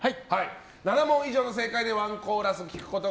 ７問以上の正解でワンコーラスが聴けます。